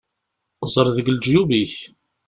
Ẓer deg leǧyub-ik!